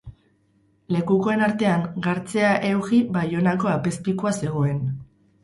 Lekukoen artean Gartzea Eugi Baionako apezpikua zegoen.